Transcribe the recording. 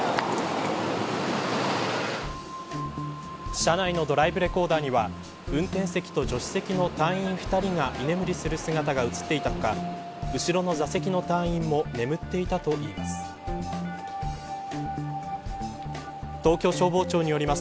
車内のドライブレコーダーには運転席と助手席の隊員２人が居眠りする姿が映っていた他後ろの座席の隊員も眠っていたといいます。